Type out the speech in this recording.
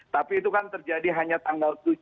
tapi itu kan terjadi hanya tanggal tujuh